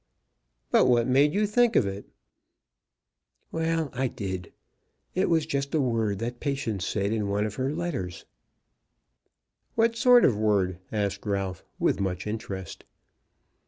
"But what made you think of it?" "Well; I did. It was just a word that Patience said in one of her letters." "What sort of word?" asked Ralph, with much interest.